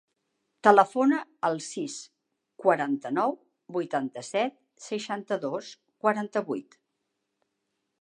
Telefona al sis, quaranta-nou, vuitanta-set, seixanta-dos, quaranta-vuit.